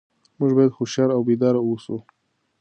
موږ باید هوښیار او بیدار اوسو.